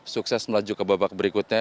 sukses melaju ke babak berikutnya